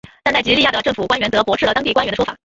但奈及利亚的政府官员则驳斥了当地官员的说法。